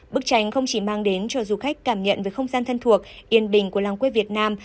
bức tranh không chỉ mang đến cho du khách cảm nhận về không gian thân thuộc yên bình của làng quê việt nam